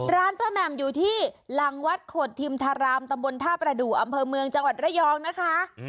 ร้านป้าแหม่มอยู่ที่หลังวัดโขดทิมธารามตำบลท่าประดูกอำเภอเมืองจังหวัดระยองนะคะ